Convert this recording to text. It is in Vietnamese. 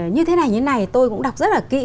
như thế này như thế này tôi cũng đọc rất là kỹ